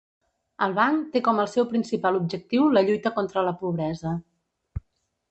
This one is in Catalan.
El Banc té com el seu principal objectiu la lluita contra la pobresa.